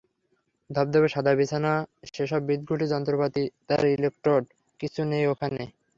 ধবধবে সাদা বিছানা, সেসব বিদ্ঘুটে যন্ত্রপাতি, তার, ইলেকট্রোড কিচ্ছু নেই ওখানে।